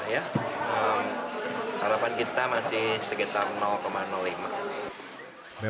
harapan kita masih sekitar lima